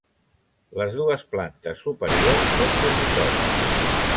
Les dues plantes superiors són dormitoris.